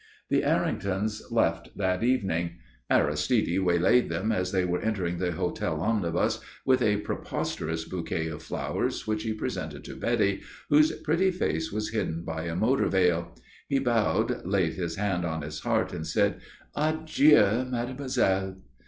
The Erringtons left that evening. Aristide waylaid them as they were entering the hotel omnibus, with a preposterous bouquet of flowers which he presented to Betty, whose pretty face was hidden by a motor veil. He bowed, laid his hand on his heart and said: "_Adieu, mademoiselle.